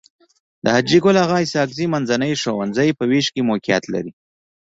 د حاجي ګل اغا اسحق زي منځنی ښوونځی په ويش کي موقعيت لري.